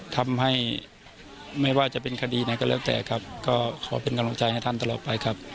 ทำให้ไม่ว่าจะเป็นคดีไหนก็แล้วแต่ครับก็ขอเป็นกำลังใจให้ท่านตลอดไปครับ